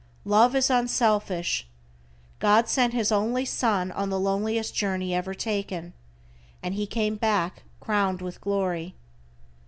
Love is unselfish. God sent His only Son on the loneliest journey ever taken, and He came back crowned with glory.